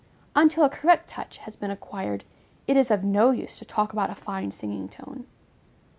Until a correct touch has been acquired, it is of no use to talk about a fine singing tone.